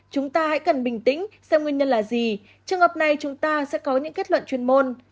chúng ta hãy cần bình tĩnh xem nguyên nhân là gì trường hợp này chúng ta sẽ có những kết luận chuyên môn